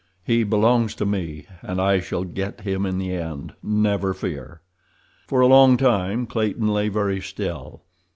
"He belongs to me, and I shall get him in the end, never fear." For a long time Clayton lay very still.